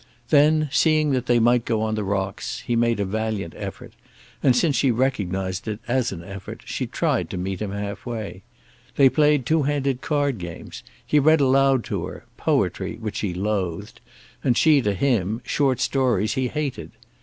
Then, seeing that they might go on the rocks, he made a valiant effort, and since she recognized it as an effort, she tried to meet him half way. They played two handed card games. He read aloud to her, poetry which she loathed, and she to him, short stories he hated.